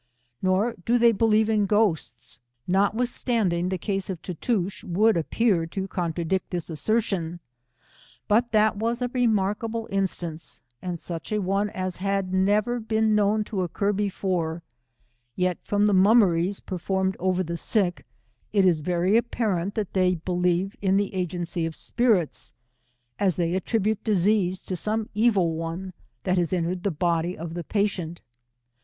Nor do they believe in ghosts, notwithstanding the case of Tootoosch would appear to contradict this assertion, but that was a remarkable instance, and such a one as had never been known to occur before; yet from the mummeries performed over the sick, it is very apparent that they believe in the agency of spirits, as they attribute diseases to some evil one that has entered the body of the patient.